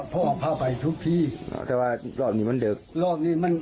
โปรปฮาต์ไปทุกทีวันนี้มันเหลือเบาะ